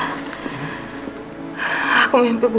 masin udah takut reina itu anaknya